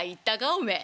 おめえ。